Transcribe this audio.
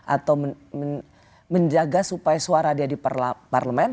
atau menjaga supaya suara dia di parlemen